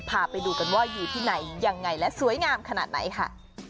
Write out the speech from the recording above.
พาไปดูกันว่าอยู่ที่ไหนยังไงและสวยงามขนาดไหนค่ะ